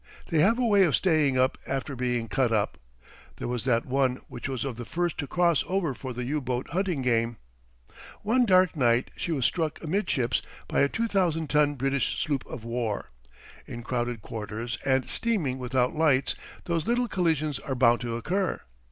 They have a way of staying up after being cut up. There was that one which was of the first to cross over for the U boat hunting game. One dark night she was struck amidships by a 2,000 ton British sloop of war. In crowded quarters and steaming without lights those little collisions are bound to occur.